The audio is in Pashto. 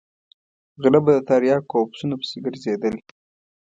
غله به د تریاکو او پسونو پسې ګرځېدل.